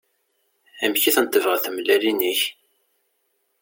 Amek i ten-tebɣiḍ tmellalin-ik?